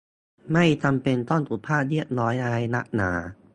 ไม่จำเป็นต้องสุภาพเรียบร้อยอะไรนักหนา